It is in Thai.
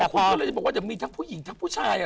ควรทีนี้จะมีทั้งผู้หญิงทั้งผู้ชาย